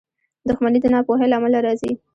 • دښمني د ناپوهۍ له امله راځي.